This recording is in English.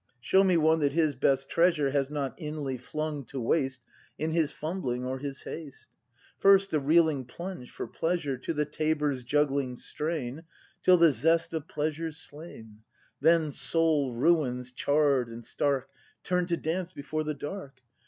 , Show me one that his best treasure Has not inly flung to waste In his fumbling, or his haste! First, the reeling plunge for pleasure To the tabor's juggling strain Till the zest of pleasure's slain; Then, soul ruins, charr'd and stark. Turn to dance before the Ark!